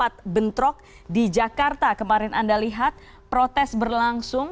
saat bentrok di jakarta kemarin anda lihat protes berlangsung